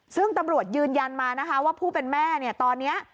ซึ่งตำรวจยืนยันมานะคะว่าผู้เป็นแม่เนี่ยตอนนี้